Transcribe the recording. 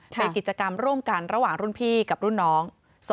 เป็นกิจกรรมร่วมกันระหว่างรุ่นพี่กับรุ่นน้อง